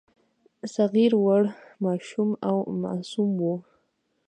صغیر وړ، ماشوم او معصوم وو.